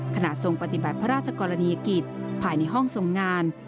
ทรงปฏิบัติพระราชกรณียกิจภายในห้องทรงงาน